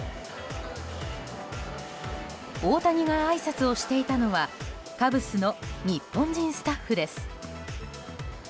大谷があいさつをしていたのはカブスの日本人スタッフです。